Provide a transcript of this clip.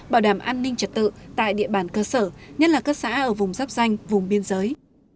bảo đảm an ninh trật tự tại địa bàn cơ sở nhất là các xã ở vùng giáp danh vùng biên giới